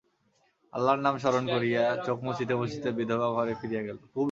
আল্লার নাম স্মরণ করিয়া চোখ মুছিতে মুছিতে বিধবা ঘরে ফিরিয়া গেল।